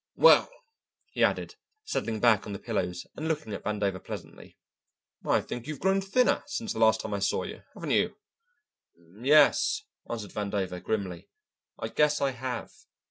Well," he added, settling back on the pillows and looking at Vandover pleasantly, "I think you've grown thinner since the last time I saw you, haven't you?" "Yes," answered Vandover grimly, "I guess I have."